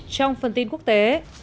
trong phần tin quốc tế